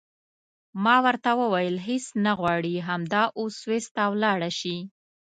ما ورته وویل هېڅ نه غواړې همدا اوس سویس ته ولاړه شې.